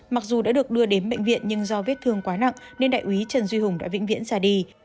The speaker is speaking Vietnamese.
mặc dù đã được đưa đến bệnh viện nhưng do vết thương quá nặng nên đại úy trần duy hùng đã vĩnh viễn ra đi